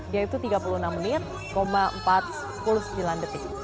yaitu tiga puluh enam menit empat puluh sembilan detik